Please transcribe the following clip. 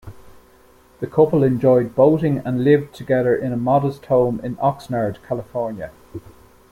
The couple enjoyed boating and lived together in a modest home in Oxnard, California.